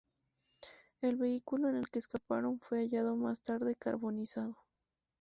El vehículo en que escaparon fue hallado más tarde carbonizado.